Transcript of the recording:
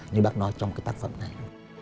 như bác nói trong cái tác phẩm này